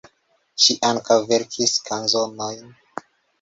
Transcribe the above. Ŝi ankaŭ verkis kanzonojn.